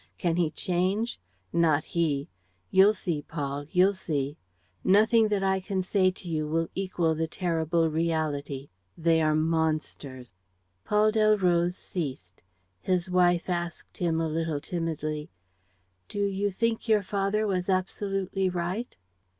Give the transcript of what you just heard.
Can he change? Not he! You'll see, Paul, you'll see. Nothing that I can say to you will equal the terrible reality. They are monsters.'" Paul Delroze ceased. His wife asked him a little timidly: "Do you think your father was absolutely right?"